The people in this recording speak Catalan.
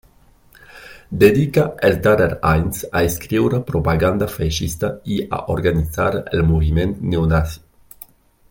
Dedicà els darrers anys a escriure propaganda feixista i a organitzar el moviment neonazi.